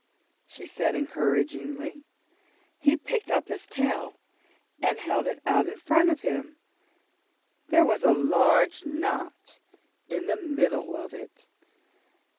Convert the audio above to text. she said encouragingly. He picked up his tail and held it out in front of him. There was a large knot in the middle of it.